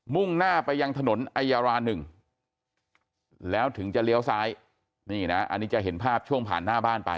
่งหน้าไปยังถนนไอยารา๑แล้วถึงจะเลี้ยวซ้ายนี่นะอันนี้จะเห็นภาพช่วงผ่านหน้าบ้านไป